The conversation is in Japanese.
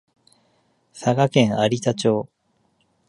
佐賀県有田町